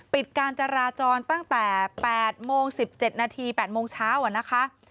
ปิดการจราจรตั้งแต่๘โมง๑๗นาที๘โมงเช้านะคะ